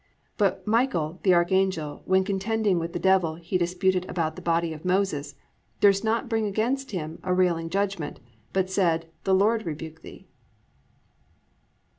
+(9) But Michael the Archangel, when contending with the devil he disputed about the body of Moses, durst not bring against him a railing judgment, but said, The Lord rebuke thee."